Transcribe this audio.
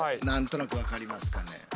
何となく分かりますかね？